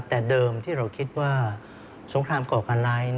แต่เดิมที่เราคิดว่าสงครามก่อการร้าย